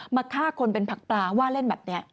มาฆ่าคนเป็นผักปลาว่าเล่นแบบนี้